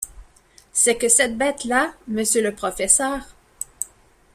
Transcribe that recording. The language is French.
C’est que cette bête-là, monsieur le professeur